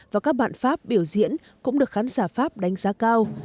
và các bạn pháp biểu diễn cũng được khán giả pháp đánh giá cao